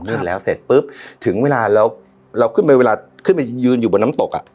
ื่นแล้วเสร็จปุ๊บถึงเวลาเราขึ้นไปเวลาขึ้นไปยืนอยู่บนน้ำตกอ่ะ